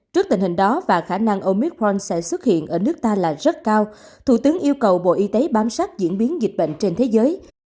trước tình hình đó và khả năng omitron sẽ xuất hiện ở nước ta là rất cao thủ tướng yêu cầu bộ y tế bám sát diễn biến dịch bệnh trên thế giới